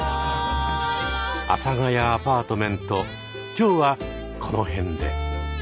「阿佐ヶ谷アパートメント」今日はこの辺で。